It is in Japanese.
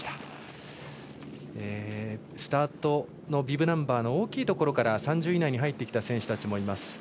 スタートのビブナンバーの大きいところから３０位以内に入ってきた選手もいます。